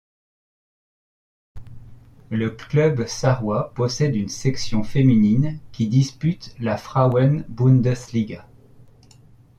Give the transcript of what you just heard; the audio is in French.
Le club sarrois possède une section féminine qui dispute la Frauen Bundesliga.